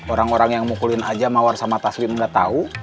orang orang yang mukulin aja mawar sama taslim gak tau